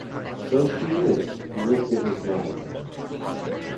“So she is!” He looked at his mother.